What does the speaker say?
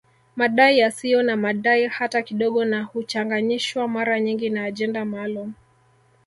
Madai yasiyo na madai hata kidogo na huchanganyishwa mara nyingi na ajenda maalum